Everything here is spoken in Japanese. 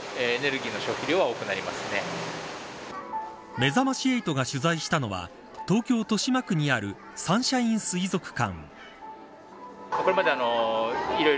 めざまし８が取材したのは東京、豊島区にあるサンシャイン水族館。